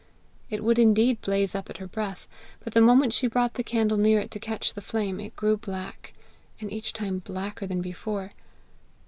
It would indeed blaze up at her breath, but the moment she brought the candle near it to catch the flame, it grew black, and each time blacker than before.